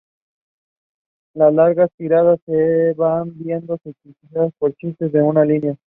Las largas tiradas se van viendo sustituidas por chistes de una línea.